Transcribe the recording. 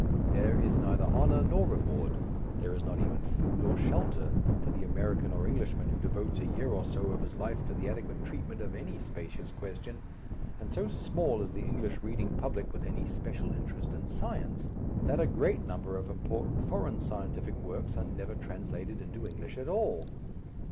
There is neither honour nor reward there is not even food or shelter for the American or Englishman who devotes a year or so of his life to the adequate treatment of any spacious question, and so small is the English reading public with any special interest in science, that a great number of important foreign scientific works are never translated into English at all.